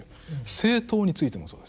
政党についてもそうです。